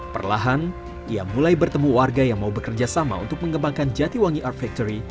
perlahan ia mulai bertemu warga yang mau bekerja sama untuk mengembangkan jatiwangi art factory